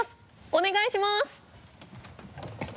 お願いします！